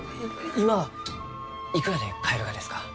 今はいくらで買えるがですか？